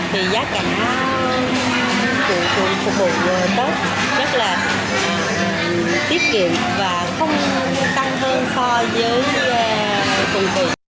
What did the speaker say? thì giá cả phục vụ tết rất là tiết kiệm và không tăng hơn so với